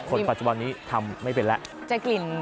อังคับว่านี้ทำไม่เป็นและจะกิน